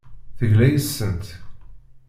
Tegla yes-sent.